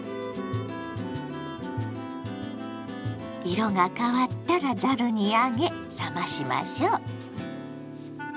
色が変わったらざるに上げ冷ましましょう。